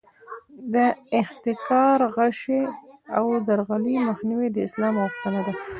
د احتکار، غش او درغلۍ مخنیوی د اسلام غوښتنه ده.